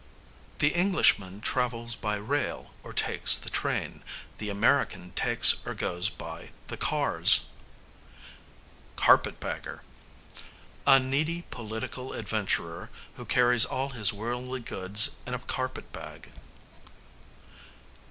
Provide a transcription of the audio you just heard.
The Englishman 'travels by rail' or 'takes the train'; the American takes or goes by the cars. Carpet bagger, a needy political adventurer who carries all his worldly goods in a carpet bag.